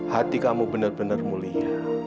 hati kamu benar benar mulia